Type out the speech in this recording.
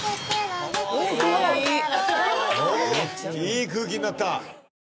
いい空気になった。